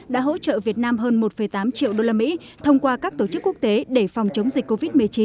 đã hỗ trợ việt nam hơn một tám triệu usd thông qua các tổ chức quốc tế để phòng chống dịch covid một mươi chín